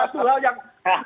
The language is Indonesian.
suatu hal yang